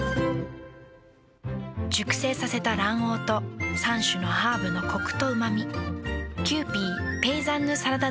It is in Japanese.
熟成させた卵黄と３種のハーブのコクとうま味。